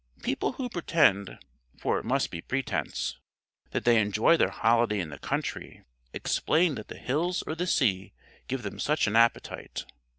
People who pretend (for it must be pretence) that they enjoy their holiday in the country, explain that the hills or the sea give them such an appetite.